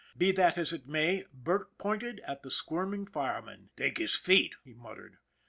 Be that as it may, Burke pointed at the squirming fireman. " Take his feet," he grunted.